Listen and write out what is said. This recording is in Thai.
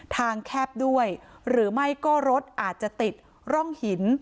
แคบด้วยหรือไม่ก็รถอาจจะติดร่องหิน